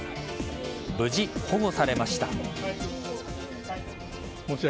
無事保護されました。